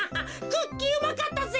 クッキーうまかったぜ。